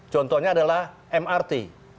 contohnya adalah mrt